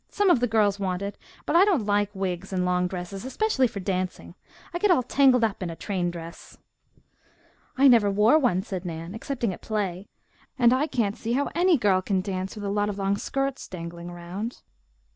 "Some of the girls want it, but I don't like wigs and long dresses, especially for dancing. I get all tangled up in a train dress." "I never wore one," said Nan, "excepting at play, and I can't see how any girl can dance with a lot of long skirts dangling around."